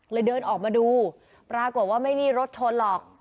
เดินออกมาดูปรากฏว่าไม่มีรถชนหรอก